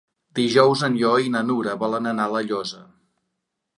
Dijous en Lleó i na Nura volen anar a La Llosa.